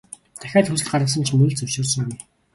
Дахиад хүсэлт гаргасан ч мөн л зөвшөөрсөнгүй.